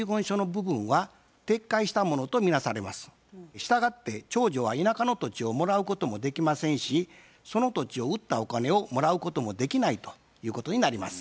したがって長女は田舎の土地をもらうこともできませんしその土地を売ったお金をもらうこともできないということになります。